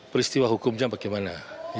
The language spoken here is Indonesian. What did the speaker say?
peristiwa hukumnya bagaimana